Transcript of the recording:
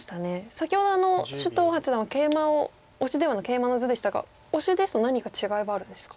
先ほど首藤八段はケイマをオシではなくケイマの図でしたがオシですと何か違いはあるんですか。